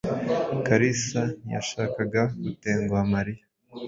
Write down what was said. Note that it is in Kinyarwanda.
Kalisa ntiyashakaga gutenguha Mariya.